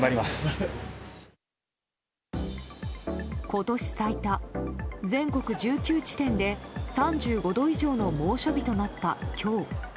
今年最多、全国１９地点で３５度以上の猛暑日となった今日。